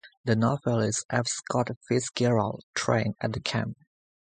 The novelist F. Scott Fitzgerald trained at the camp.